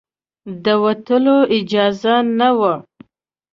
د وتلو اجازه نه وه.